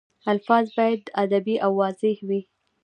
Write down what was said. الفاظ باید ادبي او واضح وي.